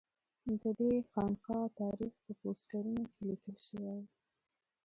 ددې خانقا تاریخ په پوسټرونو کې لیکل شوی و.